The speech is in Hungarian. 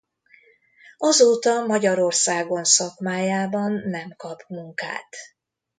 Azóta Magyarországon szakmájában nem kap munkát.